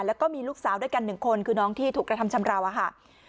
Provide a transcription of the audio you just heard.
แล้วก็มีลูกสาวด้วยกัน๑คนคือน้องที่ถูกกระทำชำราวอะค่ะ